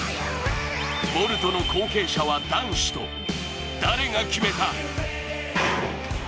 ボルトの後継者は男子と、誰が決めた？